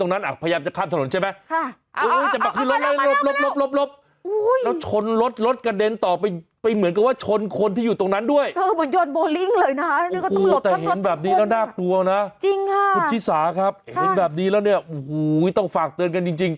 น่ากลัวนะจริงค่ะคุณชิสาครับเห็นแบบนี้แล้วเนี่ยโอ้โหต้องฝากเตือนกันจริงจริง